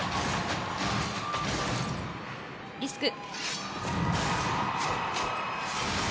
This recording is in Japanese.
リスク。